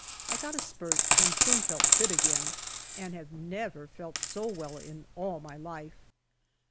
I got a spurt, and soon felt fit again, and have never felt so well in all my life.